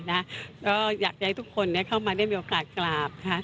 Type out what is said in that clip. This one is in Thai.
มาปีใหม่นะก็อยากให้ทุกคนเข้ามาได้มีโอกาสกราบ